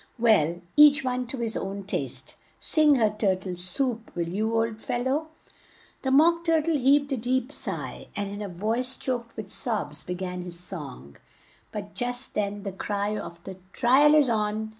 Well, each one to his own taste. Sing her 'Tur tle Soup,' will you, old fel low?" The Mock Tur tle heaved a deep sigh, and in a voice choked with sobs, be gan his song, but just then the cry of "The tri al is on!"